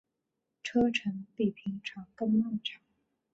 车程比平常更漫长